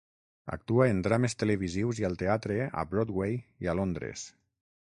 Actua en drames televisius i al teatre a Broadway i a Londres.